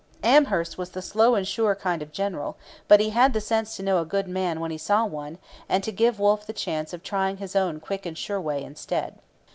Amherst was the slow and sure kind of general; but he had the sense to know a good man when he saw one, and to give Wolfe the chance of trying his own quick and sure way instead.